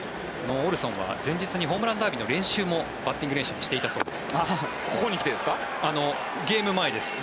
オルソンは前日にホームランダービーのバッティング練習もしていたそうです。